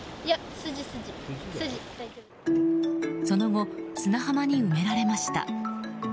その後、砂浜に埋められました。